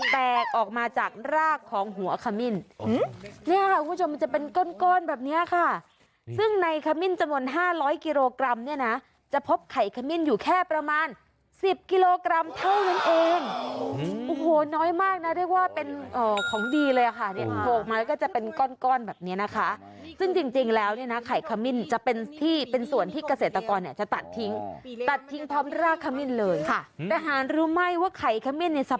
ไปที่นี่เพราะมีของดีอยู่นั่นก็คือไข่ขมิ้น